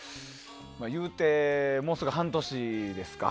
ゆうて、もうすぐ半年ですか。